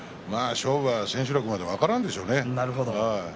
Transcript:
勝負は千秋楽まで分からんでしょうね。